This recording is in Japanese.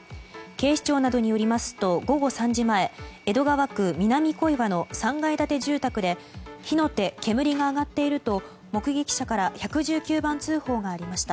警視庁などによりますと午後３時前江戸川区南小岩の３階建て住宅で火の手、煙が上がっていると目撃者から１１９番通報がありました。